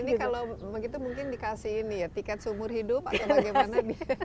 ini kalau begitu mungkin dikasih ini ya tiket seumur hidup atau bagaimana